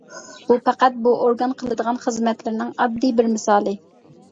بۇ پەقەت بۇ ئورگان قىلىدىغان خىزمەتلىرىنىڭ ئاددىي بىر مىسالى.